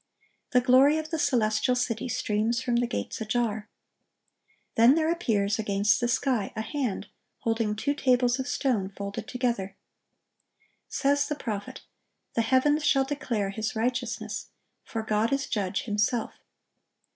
The glory of the celestial city streams from the gates ajar. Then there appears against the sky a hand holding two tables of stone folded together. Says the prophet, "The heavens shall declare His righteousness: for God is judge Himself."